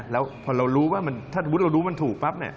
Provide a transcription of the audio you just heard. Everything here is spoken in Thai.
แล้วพอเรารู้ว่าถ้าถูกเรารู้มันถูกปั๊บ